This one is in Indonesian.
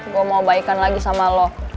gue mau baikan lagi sama lo